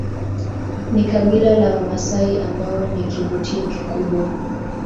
ni kabila la wamasai ambao ni kivutio kikubwa